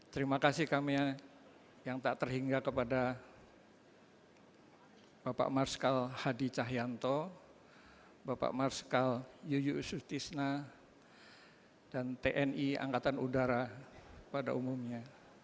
terima kasih kami yang tak terhingga kepada bapak marskal hadi cahyanto bapak marskal yuyusutisna dan tni angkatan udara pada umumnya